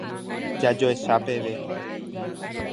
Jajoecha peve.